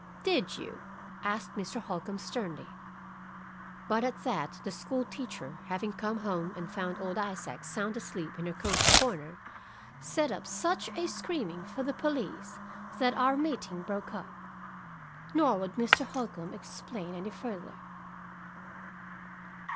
"Did you?" asked Mr. Holcombe sternly. But at that, the school teacher, having come home and found old Isaac sound asleep in her cozy corner, set up such a screaming for the police that our meeting broke up. Nor would Mr. Holcombe explain any further.